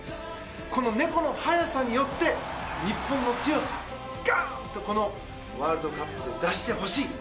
この猫の速さによって日本の強さをガーンとこのワールドカップで出してほしい。